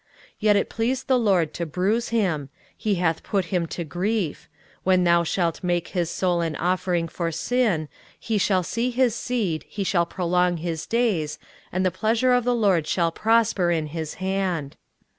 23:053:010 Yet it pleased the LORD to bruise him; he hath put him to grief: when thou shalt make his soul an offering for sin, he shall see his seed, he shall prolong his days, and the pleasure of the LORD shall prosper in his hand.